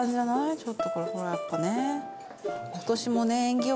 ちょっとこれやっぱね。